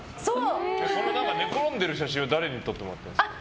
寝転んでる写真は誰に撮ってもらったんですか？